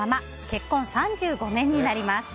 結婚３５年になります。